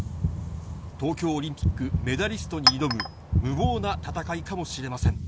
東京オリンピックメダリストに挑む、無謀な戦いかもしれません。